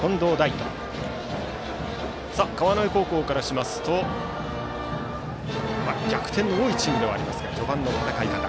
川之江高校からしますと逆転の多いチームではありますが序盤の戦い方。